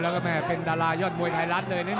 แล้วก็แม่เป็นดารายอดมวยไทยรัฐเลยนะ